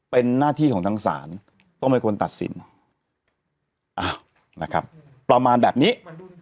เป็นหน้าที่ของทางศาลต้องเป็นคนตัดสินอ้าวนะครับประมาณแบบนี้